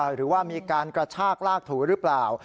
หรือว่ามีการกระชากลากถูหรือเปล่า